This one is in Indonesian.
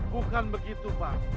bukan begitu pak